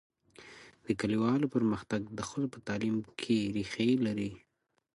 د کلیوالو پرمختګ د ښځو په تعلیم کې ریښې لري.